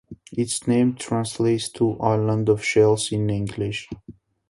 Its name translates to "Island of Shells" in English.